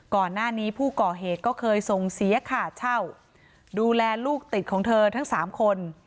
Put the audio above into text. ก่อนหน้านี้ผู้ก่อเหตุก็เคยส่งเสียค่าเช่าดูแลลูกติดของเธอทั้งสามคน